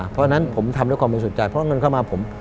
เพราะฉะนั้นผมทำด้วยความมีสุจรรย์เพราะเสร็จเงินเข้ามาผม